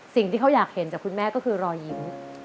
สิ่งที่เขาอยากเห็นจากคุณแม่ก็คือรอยยิ้ม